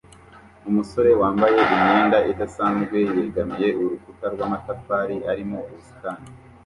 Umusore wambaye imyenda idasanzwe yegamiye urukuta rw'amatafari arimo ubusitani